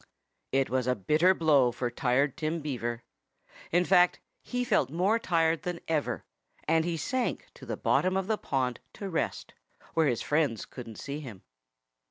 It was a bitter blow for Tired Tim Beaver. In fact, he felt more tired than ever; and he sank to the bottom of the pond to rest, where his friends couldn't see him.